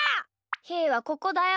ひーはここだよ。